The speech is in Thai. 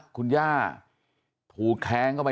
คุณย่าถูกแทงเข้าไป